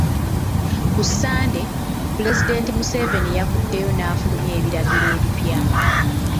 Ku Ssande, Pulezidenti Museveni yavuddeyo n’afulumya ebiragiro ebipya.